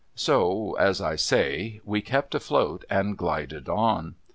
So, as I say, we kept afloat and glided on.